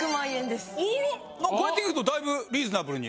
なんかこうやって見るとだいぶリーズナブルに。